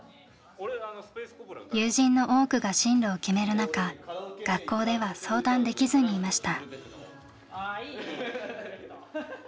友人の多くが進路を決める中学校では相談できずにいました。